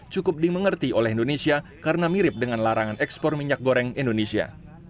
cukup dimengerti oleh indonesia karena mirip dengan larangan ekspor minyak goreng indonesia